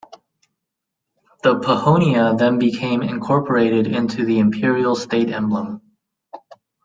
The Pahonia then became incorporated into the imperial state emblem.